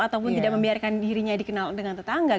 ataupun tidak membiarkan dirinya dikenal dengan tetangga